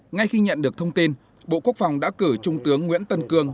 ngay khi nhận được thông tin bộ quốc phòng đã cử trung tướng nguyễn tân cương